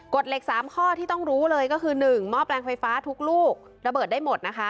เหล็ก๓ข้อที่ต้องรู้เลยก็คือ๑หม้อแปลงไฟฟ้าทุกลูกระเบิดได้หมดนะคะ